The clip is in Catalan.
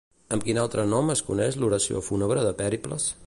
Amb quin altre nom es coneix l'Oració fúnebre de Pèricles?